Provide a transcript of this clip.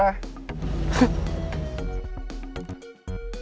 ya udah terserah